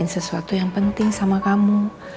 sesuatu yang penting sama kamu